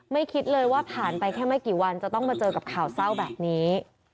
คิดเลยว่าผ่านไปแค่ไม่กี่วันจะต้องมาเจอกับข่าวเศร้าแบบนี้